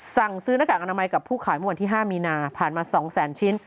สั่งซื้อหน้ากากอนามัยกับผู้ขายเมื่อวันที่๕มีนาผ่านมา๒แสนชิ้น